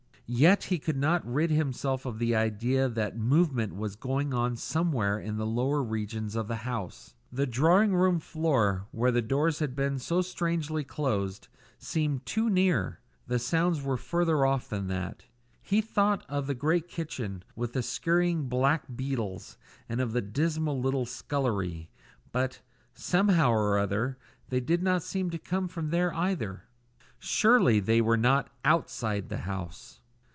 Yet he could not rid himself of the idea that movement was going on somewhere in the lower regions of the house. The drawing room floor, where the doors had been so strangely closed, seemed too near; the sounds were further off than that. He thought of the great kitchen, with the scurrying black beetles, and of the dismal little scullery; but, somehow or other, they did not seem to come from there either. Surely they were not outside the house!